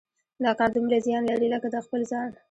دا کار دومره زیان لري لکه د خپل ځان.